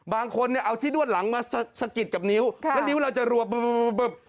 บางคนเนี่ยเอาที่ด้วนหลังมาสะกิดกับนิ้วแล้วนิ้วเราจะรัวบึบ